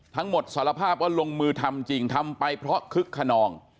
สารภาพว่าลงมือทำจริงทำไปเพราะคึกขนอง